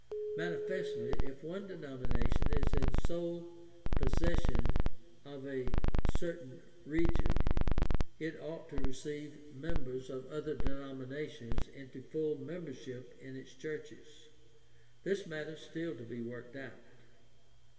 Manifestly, if one denomination is in sole pos session of a certd; in region it ought to receive members of other denominations into full membership in its churches. This matter is still to be worked out.